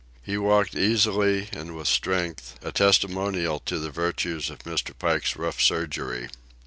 He walked easily and with strength, a testimonial to the virtues of Mr. Pike's rough surgery.